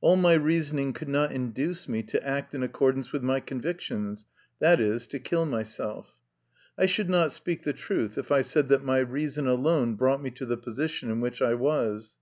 All my reasoning could not induce me to act in accordance with my convictions i.e., to kill myself. I should not speak the truth, if I said that my reason alone brought me to the position in which I was.